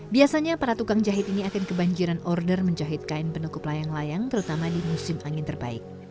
biasanya para tukang jahit ini akan kebanjiran order menjahit kain penukup layang layang terutama di musim angin terbaik